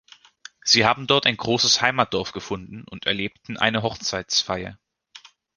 Sie haben dort ein großes Heimatdorf gefunden und erlebten eine Hochzeitsfeier.